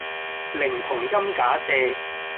寧同音假借